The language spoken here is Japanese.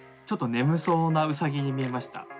ちょっと眠そうなウサギに見えました。